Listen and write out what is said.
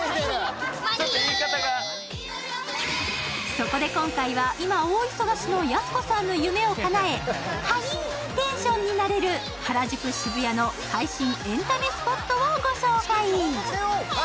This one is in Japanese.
そこで今回は、今大忙しのやす子さんがはいテンションになれる原宿・渋谷の最新エンタメスポットをご紹介。